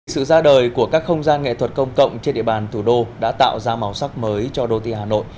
sự ra đời của các không gian nghệ thuật công cộng trên địa bàn thủ đô đã tạo ra màu sắc mới cho đô tì hà nội